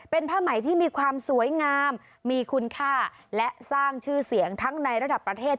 เป็นผ้าไหมที่มีความสวยงามมีคุณค่าและสร้างชื่อเสียงทั้งในระดับประเทศ